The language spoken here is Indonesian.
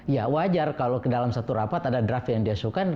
ya wajar kalau ke dalam satu rapat ada draft yang diasuhkan